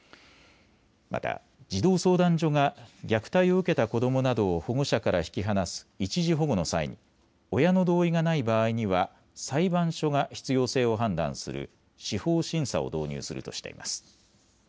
また児童相談所が虐待を受けた子どもなどを保護者から引き離す一時保護の際に親の同意がない場合には裁判所が必要性を判断する司法審査を導入するとしています。